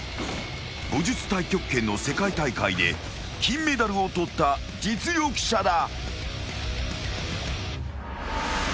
［武術太極拳の世界大会で金メダルを取った実力者だ］